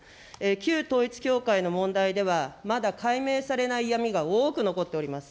旧統一教会の問題では、まだ解明されない闇が多く残っております。